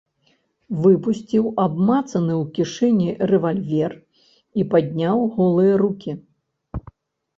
Выпусціў абмацаны ў кішэні рэвальвер і падняў голыя рукі.